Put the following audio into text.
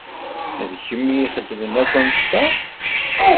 D kemm i ixedmen akk annect-a?